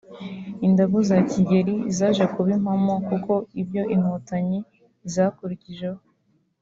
Indagu za Kigeli zaje kuba impamo kuko ibyo inkotanyi zakurikijeho